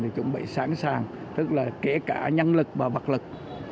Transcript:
thì chuẩn bị sẵn sàng tức là kể cả nhân lực và vật lực